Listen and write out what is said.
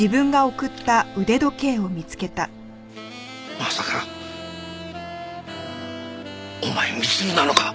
まさかお前光留なのか！？